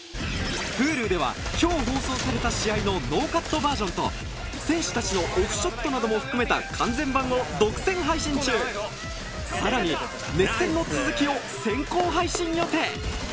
Ｈｕｌｕでは今日放送された試合のノーカットバージョンと選手たちのオフショットなども含めた完全版を独占配信中さらに熱戦の続きを先行配信予定